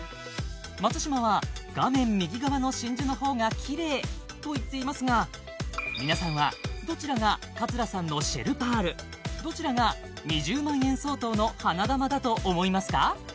松嶋は画面右側の真珠のほうがキレイと言っていますが皆さんはどちらが桂さんのシェルパールどちらが２０万円相当の花珠だと思いますか？